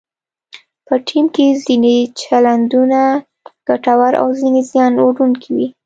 په ټیم کې ځینې چلندونه ګټور او ځینې زیان اړونکي وي.